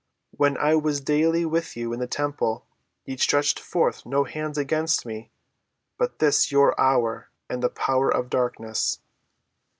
When I was daily with you in the temple, ye stretched forth no hands against me: but this is your hour, and the power of darkness."